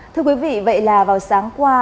thưa quý vị vậy là vào sáng qua